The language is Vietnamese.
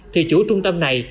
thì chủ trung tâm này